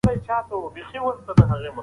دا موضوع په پوهنتون کې تدریسیږي.